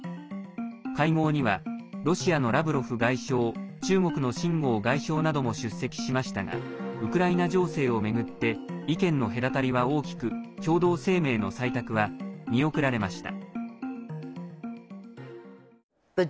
会合にはロシアのラブロフ外相中国の秦剛外相なども出席しましたがウクライナ情勢を巡って意見の隔たりは大きく共同声明の採択は見送られました。